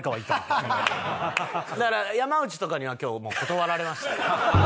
だから山内とかには今日もう断られました。